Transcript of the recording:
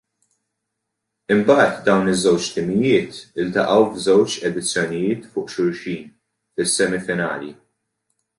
Imbagħad dawn iż-żewġ timijiet iltaqgħu f'żewġ edizzjonijiet fuq xulxin fis-semifinali.